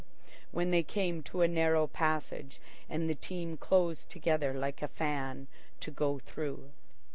when they came to a narrow passage and the team closed together like a fan to go through.